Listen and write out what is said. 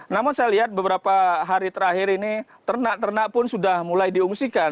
namun saya lihat beberapa hari terakhir ini ternak ternak pun sudah mulai diungsikan